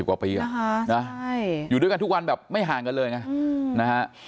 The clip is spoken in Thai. มา๔๐กว่าปีอ่ะอยู่ด้วยกันทุกวันแบบไม่ห่างกันเลยอ่ะ